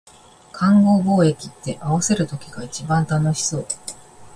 勘合貿易って、合わせる時が一番楽しそう